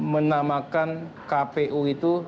menamakan kpu itu